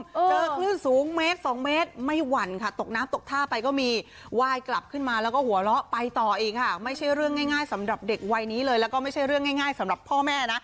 เจอคลื่นสูงเมตรสองเมตรไม่หวั่นค่ะตกน้ำตกท่าไปก็มีไหว้กลับขึ้นมาแล้วก็หัวเราะไปต่ออีกค่ะไม่ใช่เรื่องง่ายสำหรับเด็กวัยนี้เลยแล้วก็ไม่ใช่เรื่องง่ายสำหรับพ่อแม่นะ